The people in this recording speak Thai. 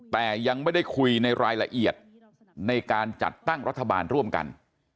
แต่ยังไม่ได้คุยในรายละเอียดในการจัดตั้งรัฐบาลร่วมกัน